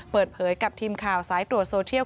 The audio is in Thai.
เปิดเผยกับทีมข่าวสายตรวจโซเทียล